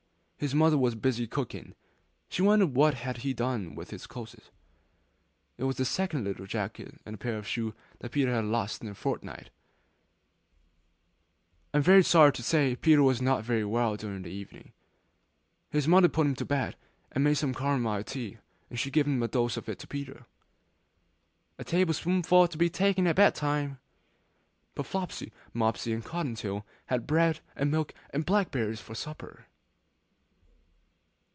His mother was busy cooking; she wondered what he had done with his clothes. It was the second little jacket and pair of shoes that Peter had lost in a fortnight! I am sorry to say that Peter was not very well during the evening. His mother put him to bed, and made some camomile tea; and she gave a dose of it to Peter! 'One table spoonful to be taken at bed time.' But Flopsy, Mopsy, and Cotton tail had bread and milk and blackberries for supper.